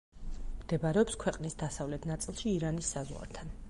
მდებარეობს ქვეყნის დასავლეთ ნაწილში ირანის საზღვართან.